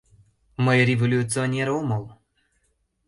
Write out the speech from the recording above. — Мый революционер омыл.